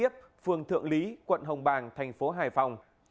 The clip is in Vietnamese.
phường thượng lý quận hồng bàng thành phố hải phòng